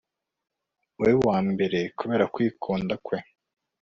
we wa mbere kubera kwikunda kwe